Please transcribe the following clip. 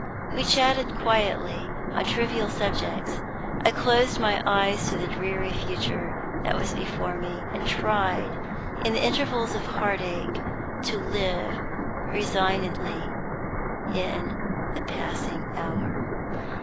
We chatted quietly on trivial subjects. I closed my eyes to the dreary future that was before me, and tried, in the intervals of the heart ache, to live resignedly in the passing hour.